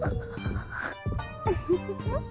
ウフフフ。